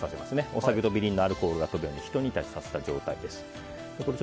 お酒とみりんのアルコールが飛ぶようにひと煮立ちさせた状態です。